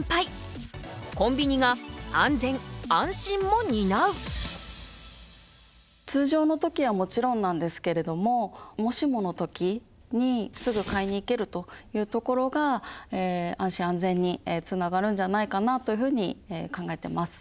最後は通常の時はもちろんなんですけれどももしもの時にすぐ買いに行けるというところが安心安全につながるんじゃないかなというふうに考えてます。